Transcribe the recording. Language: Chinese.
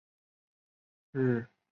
日本近江坂田郡人。